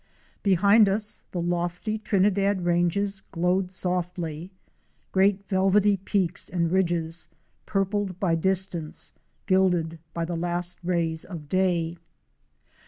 Behind us the lofty Trinidad ranges glowed softly; great velvety peaks and ridges, purpled by distance, gilded by the last rays of day.